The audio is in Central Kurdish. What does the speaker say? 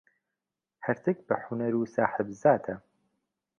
هەرتک بە حونەر و ساحێب زاتە.